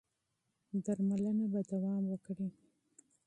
درملنه به دوام وکړي.